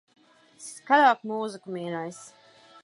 Skaļāk mūziku, mīļais.